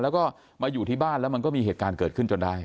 แล้วก็มาอยู่ที่บ้านแล้วมันก็มีเหตุการณ์เกิดขึ้นจนได้